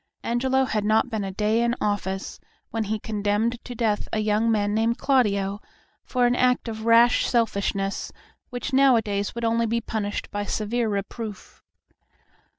Angelo had not been a day in office when he condemned to death a young man named Claudio for an act of rash selfishness which nowadays would only be punished by severe reproof.